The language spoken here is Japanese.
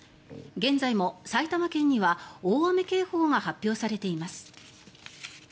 現在も埼玉県には大雨警報が発表されています。